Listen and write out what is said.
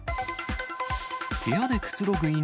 部屋でくつろぐ犬。